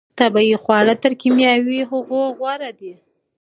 طبیعي خواړه تر کیمیاوي هغو غوره دي.